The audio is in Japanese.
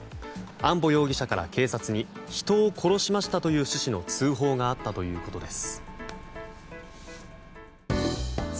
安保容疑者から警察に人を殺しましたという趣旨の通報があったということです。